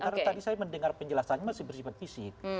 karena tadi saya mendengar penjelasannya masih berjibat fisik